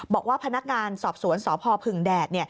บอกว่าพนักงานสอบสวนสพพึ่งแดด